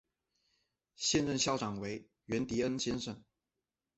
现任校长为源迪恩先生。